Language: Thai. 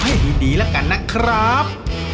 แล้วรอกให้ดีแล้วกันนะครับ